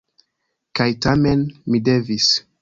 Kaj tamen mi devis.